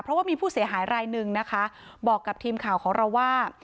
เพราะว่ามีผู้เสียหายรายหนึ่งนะคะบอกกับทีมข่าวของเราว่า